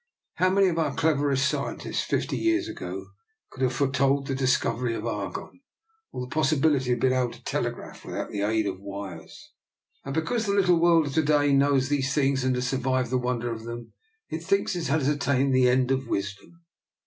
How many of our cleverest scientists fifty years ago could have foretold the dis covery of argon, or the possibility of being able to telegraph without the aid of wires? 58 DR NIKOLA'S EXPERIMENT. And because the little world of to day knows these things and has survived the wonder of them, it thinks it has attained the end of wis dom.